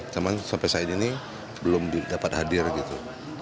cuman sampai saat ini belum dapat hadir gitu